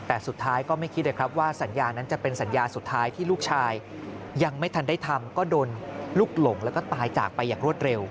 แต่สุดท้ายก็ไม่คิดเลยครับว่าสัญญานั้นจะเป็นสัญญาสุดท้ายที่ลูกชายยังไม่ทันได้ทำก็โดนลูกหลงแล้วก็ตายจากไปอย่างรวดเร็ว